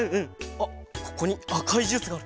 あっここにあかいジュースがある！